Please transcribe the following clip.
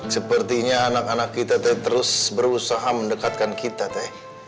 sepertinya anak anak kita terus berusaha mendekatkan kita teh